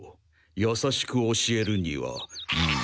優しく教えるにはム！